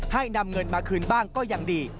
ให้นำเงินมาคืนบ้างก็ยังดี